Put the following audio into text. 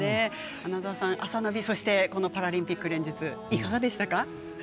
穴澤さん、「あさナビ」そして、パラリンピック連日いかがでしたか？